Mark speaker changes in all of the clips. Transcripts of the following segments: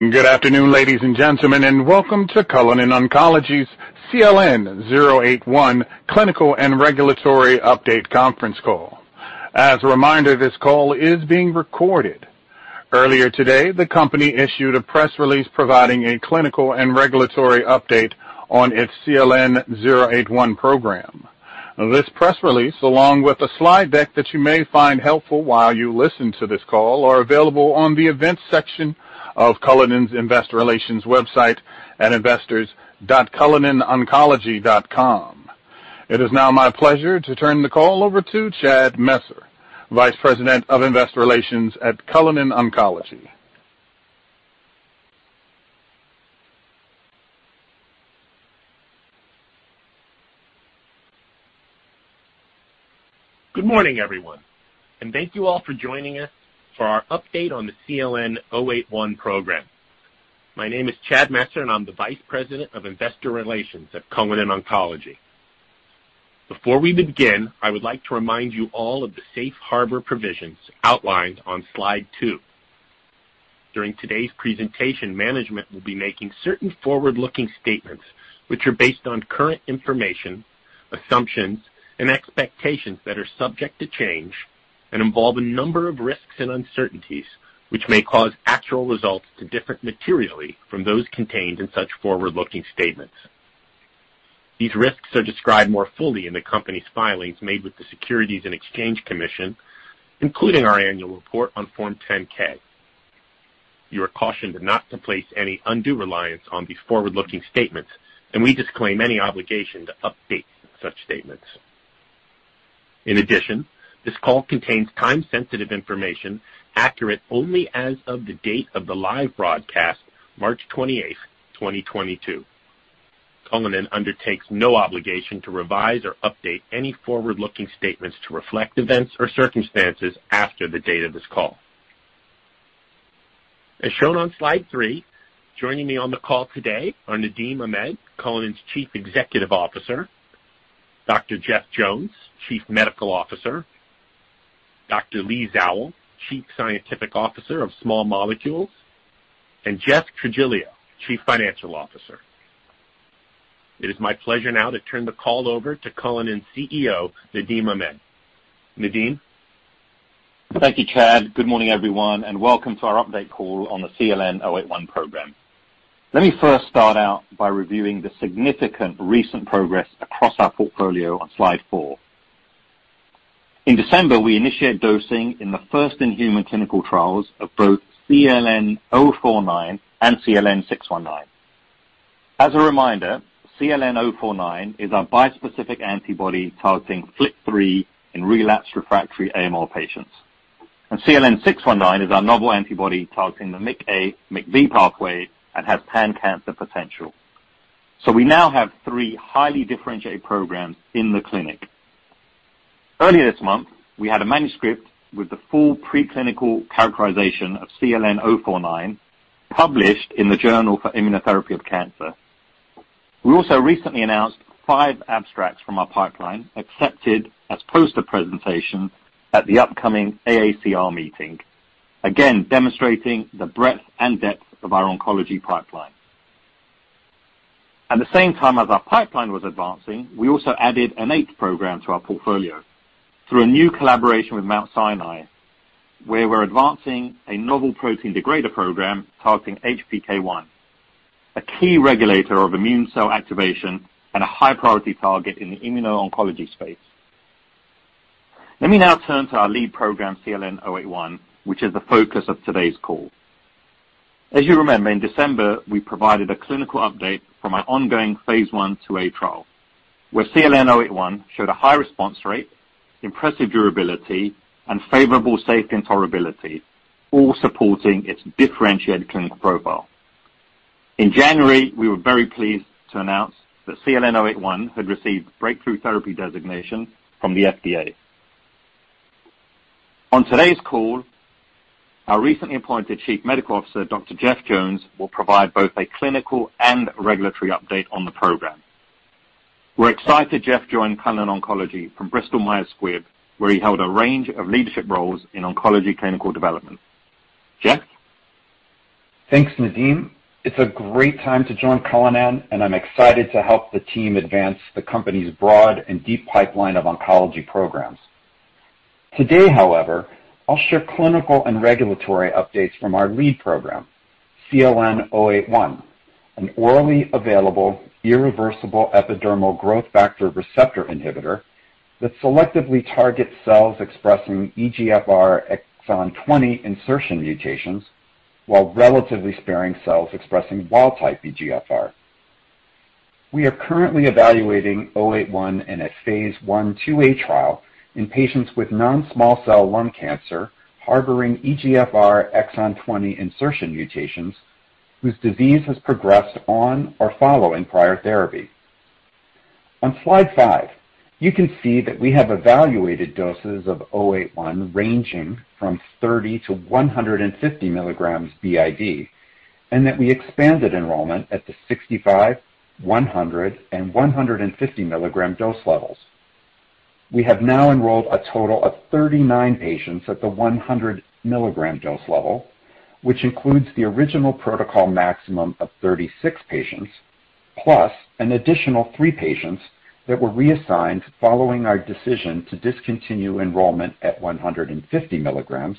Speaker 1: Good afternoon, ladies and gentlemen, and welcome to Cullinan Oncology's, CLN-081 Clinical and Regulatory Update conference call. As a reminder, this call is being recorded. Earlier today, the company issued a press release providing a clinical and regulatory update, on its CLN-081 program. This press release, along with a slide deck that you may find helpful while you listen to this call, are available on the events section, of Cullinan's investor relations website at investors.cullinanoncology.com. It is now my pleasure to turn the call over to Chad Messer, Vice President of Investor Relations at Cullinan Oncology.
Speaker 2: Good morning, everyone, and thank you all for joining us for our update on the CLN-081 program. My name is Chad Messer, and I'm the Vice President of Investor Relations at Cullinan Oncology. Before we begin, I would like to remind you all of the safe harbor provisions outlined on slide two. During today's presentation, management will be making certain forward-looking statements which are based on current information, assumptions, and expectations that are subject to change, and involve a number of risks and uncertainties, which may cause actual results to differ materially from those contained in such forward-looking statements. These risks are described more fully in the company's filings made with the Securities and Exchange Commission, including our annual report on Form 10-K. You are cautioned not to place any undue reliance on these forward-looking statements, and we disclaim any obligation to update such statements. In addition, this call contains time-sensitive information, accurate only as of the date of the live broadcast, March 28, 2022. Cullinan undertakes no obligation to revise or update any forward-looking statements to reflect events or circumstances after the date of this call. As shown on slide three, joining me on the call today are Nadim Ahmed, Cullinan's Chief Executive Officer, Dr. Jeff Jones, Chief Medical Officer, Dr. Leigh Zawel, Chief Scientific Officer of Small Molecules, and Jeff Trigilio, Chief Financial Officer. It is my pleasure now to turn the call over to Cullinan CEO, Nadim Ahmed. Nadim.
Speaker 3: Thank you, Chad. Good morning, everyone, and welcome to our update call on the CLN-081 program. Let me first start out by reviewing the significant recent progress across our portfolio on slide four. In December, we initiated dosing in the first-in-human clinical trials of both CLN-049 and CLN-619. As a reminder, CLN-049, is our bispecific antibody targeting FLT3, in relapsed refractory AML patients. CLN-619 is our novel antibody targeting the MICA, MICB pathway and has pan-cancer potential. We now have three highly differentiated programs in the clinic. Earlier this month, we had a manuscript with the full preclinical characterization of CLN-049, published in the Journal for ImmunoTherapy of Cancer. We also recently announced five abstracts from our pipeline accepted, as poster presentation at the upcoming AACR meeting, again demonstrating the breadth and depth of our oncology pipeline. At the same time, as our pipeline was advancing, we also added an eighth program to our portfolio through a new collaboration with Mount Sinai, where we're advancing a novel protein degrader program targeting HPK1, a key regulator of immune cell activation and a high-priority target in the immuno-oncology space. Let me now turn to our lead program, CLN-081, which is the focus of today's call. As you remember, in December, we provided a clinical update from our ongoing phase I/IIa trial, where CLN-081 showed a high response rate, impressive durability, and favorable safety and tolerability, all supporting its differentiated clinical profile. In January, we were very pleased to announce that CLN-081 had received Breakthrough Therapy Designation from the FDA. On today's call, our recently appointed Chief Medical Officer, Dr. Jeff Jones, will provide both a clinical and regulatory update on the program. We're excited Jeff joined Cullinan Oncology from Bristol Myers Squibb, where he held a range of leadership roles in oncology clinical development. Jeff.
Speaker 4: Thanks, Nadim. It's a great time to join Cullinan, and I'm excited to help the team advance the company's broad and deep pipeline of oncology programs. Today, however, I'll share clinical and regulatory updates from our lead program, CLN-081, an orally available irreversible epidermal growth factor receptor inhibitor that selectively targets cells expressing EGFR exon 20 insertion mutations, while relatively sparing cells expressing wild-type EGFR. We are currently evaluating 081 in a phase I/IIa trial in patients with non-small cell lung cancer harboring EGFR exon 20 insertion mutations, whose disease has progressed on or following prior therapy. On slide five, you can see that we have evaluated doses of CLN-081 ranging from 30 to 150 milligrams BID, and that we expanded enrollment at the 65, 100, and 150-milligram dose levels. We have now enrolled a total of 39 patients at the 100 milligram dose level, which includes the original protocol maximum of 36 patients, plus an additional three patients that were reassigned following our decision to discontinue enrollment at 150 milligrams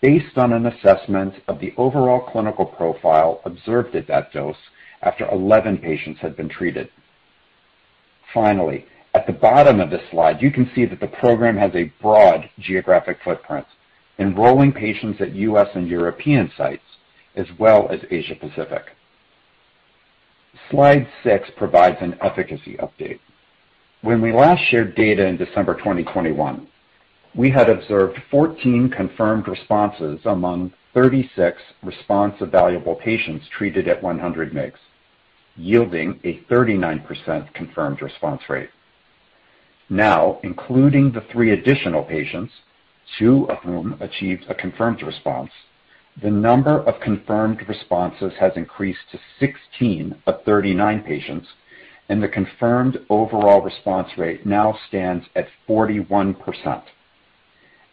Speaker 4: based on an assessment of the overall clinical profile observed at that dose after 11 patients had been treated. Finally, at the bottom of this slide, you can see that the program has a broad geographic footprint, enrolling patients at U.S. and European sites as well as Asia Pacific. Slide six provides an efficacy update. When we last shared data in December 2021, we had observed 14 confirmed responses among 36 response evaluable patients treated at 100 mg, yielding a 39% confirmed response rate. Now, including the three additional patients, two of whom achieved a confirmed response, the number of confirmed responses has increased to 16 of 39 patients, and the confirmed overall response rate now stands at 41%.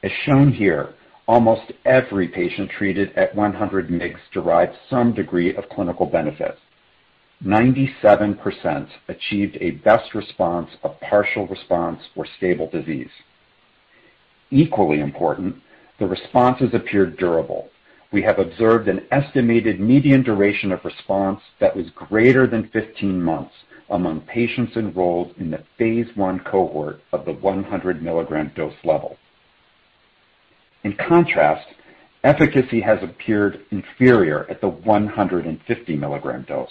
Speaker 4: As shown here, almost every patient treated at 100 mg derived some degree of clinical benefit. 97% achieved a best response of partial response or stable disease. Equally important, the responses appeared durable. We have observed an estimated median duration of response that was greater than 15 months, among patients enrolled in the phase I cohort of the 100 mg dose level. In contrast, efficacy has appeared inferior at the 150 mg dose.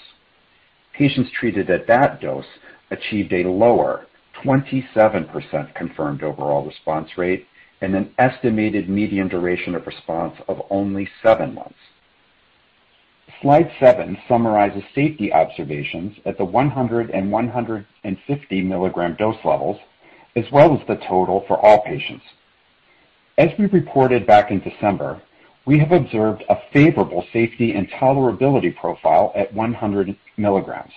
Speaker 4: Patients treated at that dose achieved a lower 27% confirmed overall response rate, and an estimated median duration of response of only seven months. Slide seven summarizes safety observations at the 100 and 150 mg dose levels, as well as the total for all patients. As we reported back in December, we have observed a favorable safety and tolerability profile at 100 mg.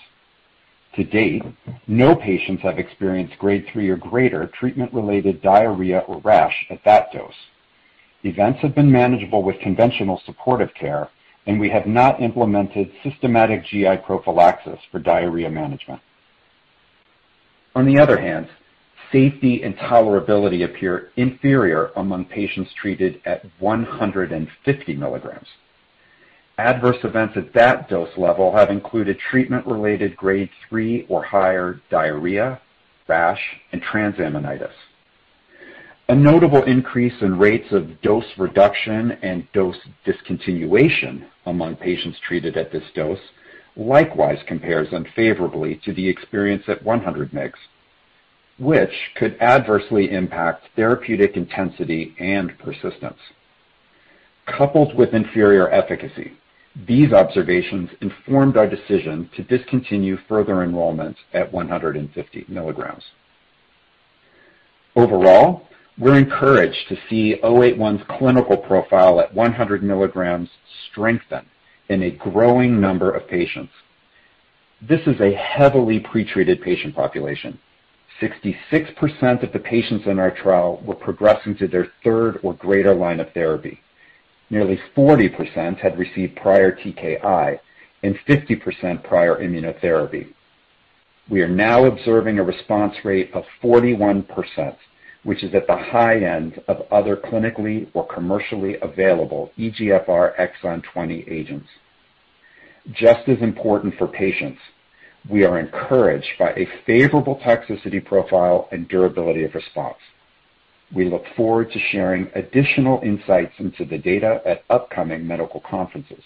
Speaker 4: To date, no patients have experienced grade three or higher treatment-related diarrhea or rash at that dose. Events have been manageable with conventional supportive care, and we have not implemented systematic GI prophylaxis for diarrhea management. On the other hand, safety and tolerability appear inferior among patients treated at 150 mg. Adverse events at that dose level have included treatment-related grade three or higher diarrhea, rash, and transaminitis. A notable increase in rates of dose reduction and dose discontinuation, among patients treated at this dose likewise compares unfavorably to the experience at 100 mg, which could adversely impact therapeutic intensity and persistence. Coupled with inferior efficacy, these observations informed our decision to discontinue further enrollment at 150 milligrams. Overall, we're encouraged to see 081's clinical profile at 100 milligrams strengthen in a growing number of patients. This is a heavily pretreated patient population. 66% of the patients in our trial were progressing to their third or greater line of therapy. Nearly 40% had received prior TKI and 50% prior immunotherapy. We are now observing a response rate of 41%, which is at the high end of other clinically or commercially available EGFR exon 20 agents. Just as important for patients, we are encouraged by a favorable toxicity profile and durability of response. We look forward to sharing additional insights into the data at upcoming medical conferences.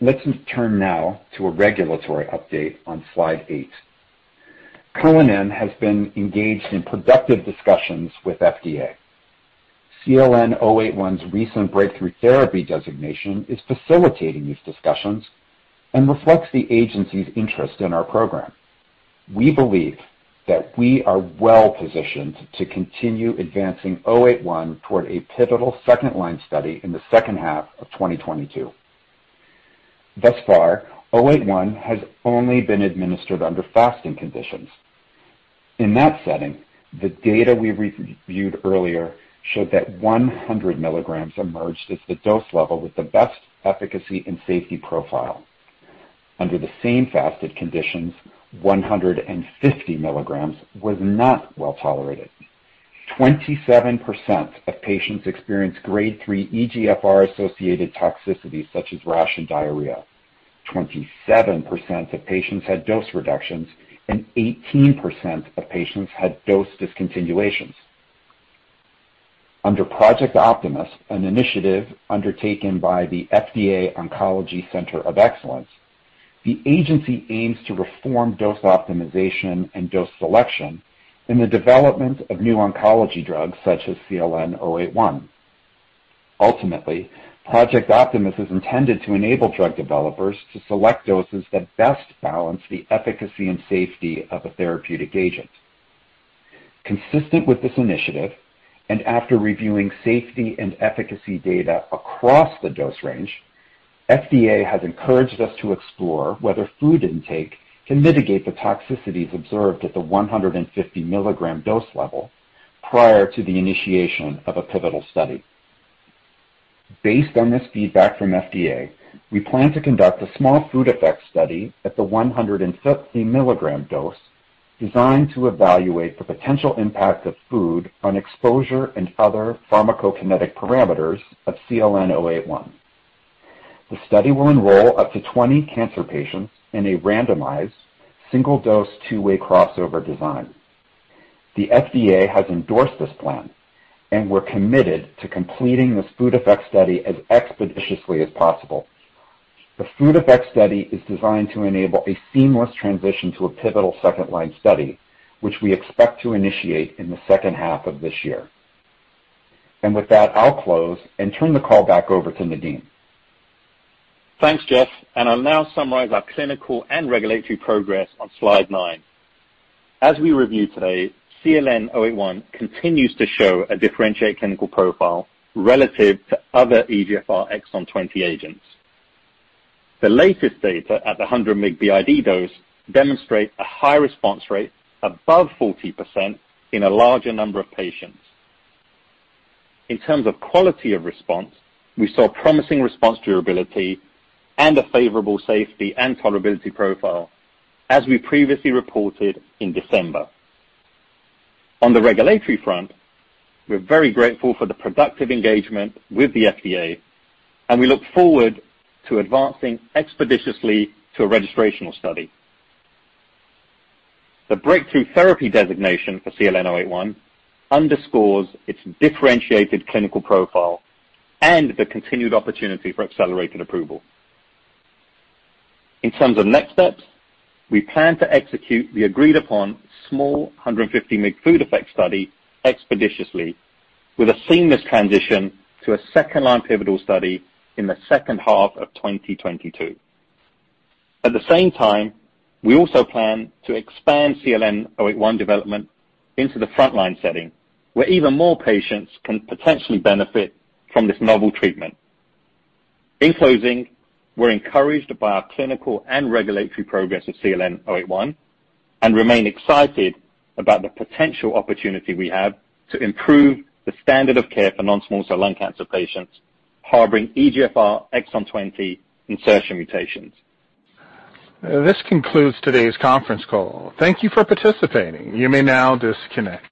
Speaker 4: Let's turn now to a regulatory update on slide eight. Cullinan has been engaged in productive discussions with FDA. CLN-081's recent Breakthrough Therapy Designation is facilitating these discussions and reflects the agency's interest in our program. We believe that we are well-positioned to continue advancing 081 toward a pivotal second-line study in the second half of 2022. Thus far, 081 has only been administered under fasting conditions. In that setting, the data we reviewed earlier showed that 100 milligrams emerged as the dose level with the best efficacy and safety profile. Under the same fasted conditions, 150 milligrams was not well tolerated. 27% of patients experienced grade 3 EGFR-associated toxicity, such as rash and diarrhea. 27% of patients had dose reductions, and 18% of patients had dose discontinuations. Under Project Optimus, an initiative undertaken by the FDA Oncology Center of Excellence, the agency aims to reform dose optimization and dose selection, in the development of new oncology drugs such as CLN-081. Ultimately, Project Optimus is intended to enable drug developers to select doses that best balance the efficacy and safety of a therapeutic agent. Consistent with this initiative, and after reviewing safety and efficacy data across the dose range, FDA has encouraged us to explore whether food intake can mitigate the toxicities observed at the 150 mg dose level, prior to the initiation of a pivotal study. Based on this feedback from FDA, we plan to conduct a small food effect study at the 150 milligram dose designed to evaluate the potential impact of food on exposure and other pharmacokinetic parameters of CLN-081. The study will enroll up to 20 cancer patients, in a randomized single dose two-way crossover design. The FDA has endorsed this plan, and we're committed to completing this food effect study as expeditiously as possible. The food effect study is designed to enable a seamless transition to a pivotal second line study, which we expect to initiate in the second half of this year. With that, I'll close and turn the call back over to Nadim.
Speaker 3: Thanks, Jeff. I'll now summarize our clinical and regulatory progress on slide nine. As we review today, CLN-081 continues to show a differentiated clinical profile, relative to other EGFR exon 20 agents. The latest data at the 100 mg BID dose, demonstrate a high response rate above 40%, in a larger number of patients. In terms of quality of response, we saw promising response durability, and a favorable safety and tolerability profile as we previously reported in December. On the regulatory front, we're very grateful for the productive engagement with the FDA, and we look forward to advancing expeditiously to a registrational study. The Breakthrough Therapy Designation for CLN-081 underscores its differentiated clinical profile and the continued opportunity for accelerated approval. In terms of next steps, we plan to execute the agreed-upon small 150 mg food effect study expeditiously, with a seamless transition to a second-line pivotal study in the second half of 2022. At the same time, we also plan to expand CLN-081 development into the front-line setting, where even more patients can potentially benefit from this novel treatment. In closing, we're encouraged by our clinical and regulatory progress of CLN-081, and remain excited about the potential opportunity we have to improve the standard of care for non-small cell lung cancer patients, harboring EGFR exon 20 insertion mutations.
Speaker 1: This concludes today's conference call. Thank you for participating. You may now disconnect.